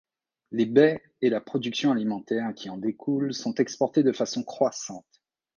Les baies et la production alimentaire qui en découle sont exportées de façon croissante.